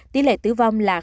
tỷ lệ tử vong là một mươi chín